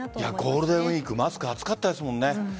ゴールデンウイークマスク、暑かったですもんね。